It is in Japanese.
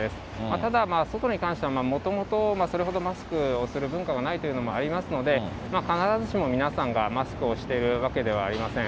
ただ、外に関しては、もともとそれほどマスクをする文化がないというのもありますので、必ずしも皆さんがマスクをしてるわけではありません。